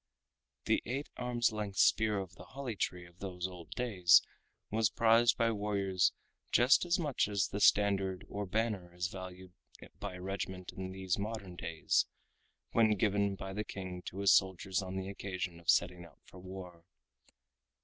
The Eight Arms Length Spear of the Holly Tree of those old days, was prized by warriors just as much as the Standard or Banner is valued by a regiment in these modern days, when given by the King to his soldiers on the occasion of setting out for war.